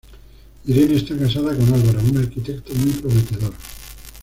Irene está casada con Álvaro, un arquitecto muy prometedor.